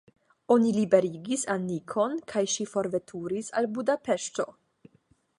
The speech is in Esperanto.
Oni liberigis Anikon, kaj ŝi forveturis al Budapeŝto.